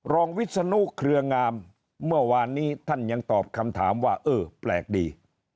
วิศนุเครืองามเมื่อวานนี้ท่านยังตอบคำถามว่าเออแปลกดี